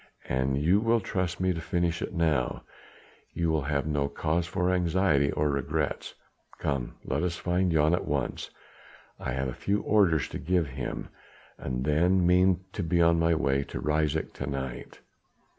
An you will trust me to finish it now; you'll have no cause for anxiety or regrets. Come! let us find Jan at once! I have a few orders to give him, and then mean to be on my way to Ryswyk to night."